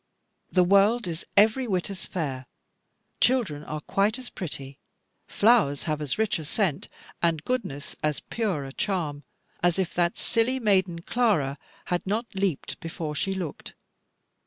The world is every whit as fair, children are quite as pretty, flowers have as rich a scent, and goodness as pure a charm, as if that silly maiden Clara had not leaped before she looked.